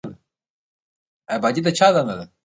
ابادي د چا دنده ده؟